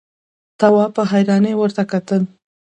تواب په حيرانۍ ورته کتل…